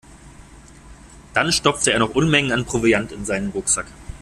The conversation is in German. Dann stopfte er noch Unmengen an Proviant in seinen Rucksack.